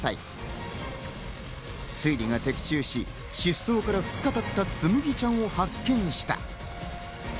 推理が的中し、失踪から２日たった、つむぎちゃんを発見した。